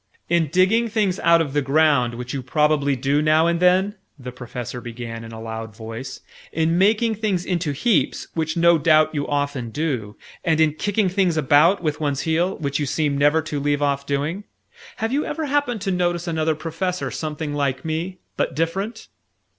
"In digging things out of the ground which you probably do now and then," the Professor began in a loud voice; "in making things into heaps which no doubt you often do; and in kicking things about with one heel which you seem never to leave off doing; have you ever happened to notice another Professor something like me, but different?"